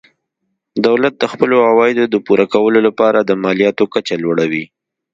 دولت د خپلو عوایدو د پوره کولو لپاره د مالیاتو کچه لوړوي.